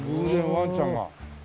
ワンちゃんが。